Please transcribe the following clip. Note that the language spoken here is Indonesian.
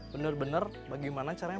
benar benar bagaimana caranya